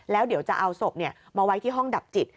แล้วเดี๋ยวจะเอาศพมาไว้ที่ห้องดับจิต